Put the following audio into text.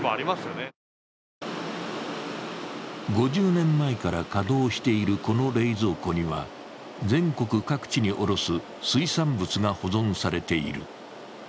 ５０年前から稼働しているこの冷蔵庫には、全国各地に卸す水産物が保存されている。